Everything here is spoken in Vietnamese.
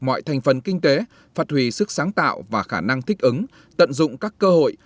mọi thành phần kinh tế phạt hủy sức sáng tạo và khả năng thích ứng tận dụng các cơ hội